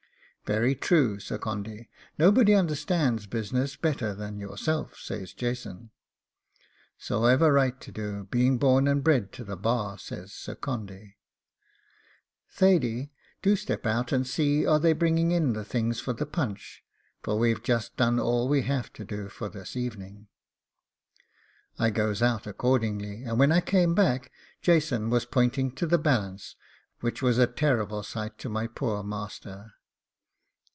'Very true, Sir Condy; nobody understands business better than yourself,' says Jason. 'So I've a right to do, being born and bred to the bar,' says Sir Condy. 'Thady, do step out and see are they bringing in the things for the punch, for we've just done all we have to do for this evening.' I goes out accordingly, and when I came back Jason was pointing to the balance, which was a terrible sight to my poor master.